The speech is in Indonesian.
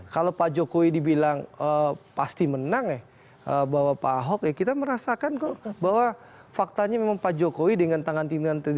kalau pak jokowi dibilang pasti menang ya bahwa pak ahok ya kita merasakan kok bahwa faktanya memang pak jokowi dengan tangan pimpinan